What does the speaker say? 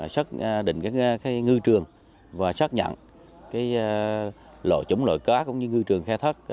xác định ngư trường và xác nhận lộ trúng lội cá cũng như ngư trường khe thất